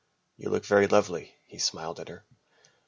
"You look very lovely," he smiled at her.